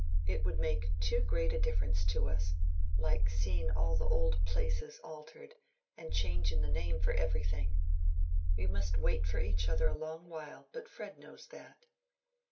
It would make too great a difference to us—like seeing all the old places altered, and changing the name for everything. We must wait for each other a long while; but Fred knows that."